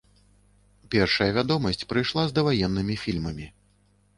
Першая вядомасць прыйшла з даваеннымі фільмамі.